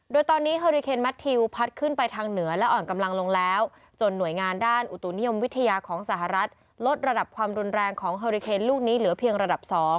โดยตอนนี้เฮอริเคนแมททิวพัดขึ้นไปทางเหนือและอ่อนกำลังลงแล้วจนหน่วยงานด้านอุตุนิยมวิทยาของสหรัฐลดระดับความรุนแรงของเฮอริเคนลูกนี้เหลือเพียงระดับ๒